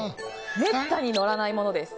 めったに乗らないものです。